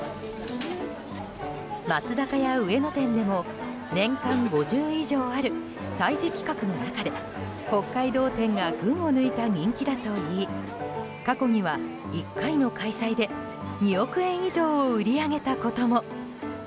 松坂屋上野店でも年間５０以上ある催事企画の中で北海道展が群を抜いた人気だといい過去には、１回の開催で２億円以上を売り上げたことも。